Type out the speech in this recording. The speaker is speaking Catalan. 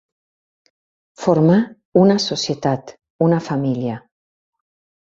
Formar una societat, una família.